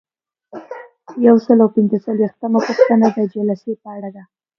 یو سل او پنځه څلویښتمه پوښتنه د جلسې په اړه ده.